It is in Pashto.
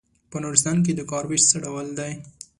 په نورستان کې د کار وېش څه ډول دی.